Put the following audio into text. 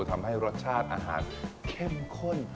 ทำให้รสชาติอาหารเข้มข้น